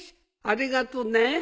ありがとうね。